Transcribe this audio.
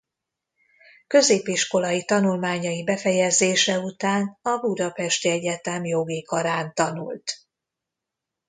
Középiskolai tanulmányai befejezése után a budapesti egyetem jogi karán tanult.